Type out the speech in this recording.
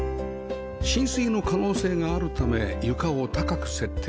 浸水の可能性があるため床を高く設定